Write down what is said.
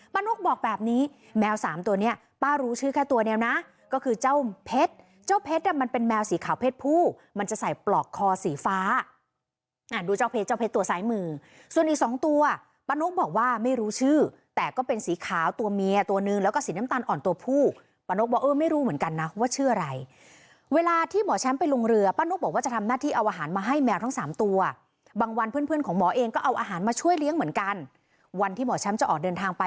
ป้านนกบอกแบบนี้แมวสามตัวเนี่ยป้ารู้ชื่อแค่ตัวเนี่ยนะก็คือเจ้าเพชรเจ้าเพชรมันเป็นแมวสีขาวเพชรผู้มันจะใส่ปลอกคอสีฟ้าดูเจ้าเพชรเจ้าเพชรตัวซ้ายมือส่วนอีกสองตัวป้านนกบอกว่าไม่รู้ชื่อแต่ก็เป็นสีขาวตัวเมียตัวนึงแล้วก็สีน้ำตาลอ่อนตัวผู้ป้านนกบอกเออไม่รู้เหมือนกันนะว่า